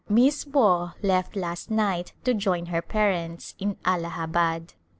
Miss Waugh left last night to join her parents in Allahabad.